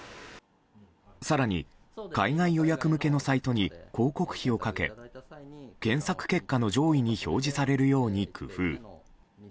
更に、海外予約向けのサイトに広告費をかけ検索結果の上位に表示されるように工夫。